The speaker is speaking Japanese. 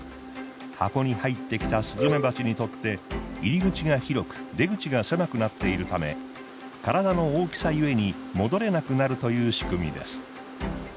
箱に入ってきたスズメバチにとって入口が広く出口が狭くなっているため体の大きさゆえに戻れなくなるという仕組みです。